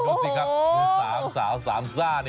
รู้สิครับ๓สาว๓จ้า